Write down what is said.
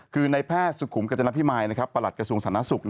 คือในแพทย์สุขุมกัจนพิมายประหลัดกระทรวงสาธารณสุข